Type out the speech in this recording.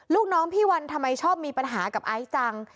ลูกน้องพี่วันทำไมชอบมีปัญหากับไอซ์จัง